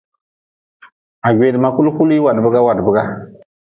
Ha gweedma kulkuli wadbiga wadbiga.